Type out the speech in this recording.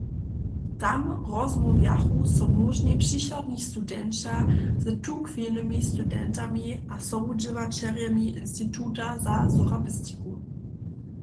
Tam rozmołwjachu so móžni přichodni studenća z tuchwilnymi studentami a sobudźěłaćerjemi Instituta za sorabistiku.